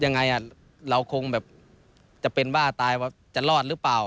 ยังไงเราคงแบบจะเป็นบ้าตายว่าจะรอดหรือเปล่า